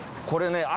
これね